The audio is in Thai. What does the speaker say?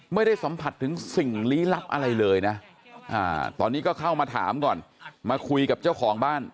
ไม่ได้สัมผัสถึงสิ่งลี้ลับอะไรเลยนะตอนนี้ก็เข้ามาถามก่อนมาคุยกับเจ้าของบ้าน